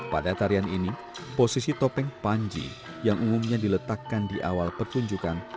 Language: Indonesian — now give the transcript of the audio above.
pada tarian ini posisi topeng panji yang umumnya diletakkan di awal pertunjukan